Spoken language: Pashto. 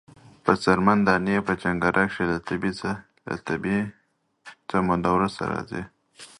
په څرمن دانی په جنکره کښی له تبی څه موده وروسته راځی۔